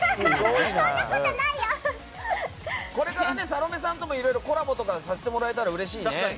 これからサロメさんともいろいろコラボとかさせてもらえたらうれしいね。